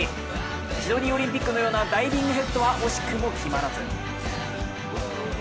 シドニーオリンピックのようなダイビングヘッドは惜しくも決まらず。